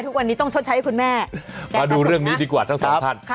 ทุกวันนี้ต้องชดใช้คุณแม่มาดูเรื่องนี้ดีกว่าทั้งสามท่าน